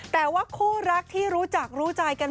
แต่ว่าคู่รักที่รู้จักรู้ใจกัน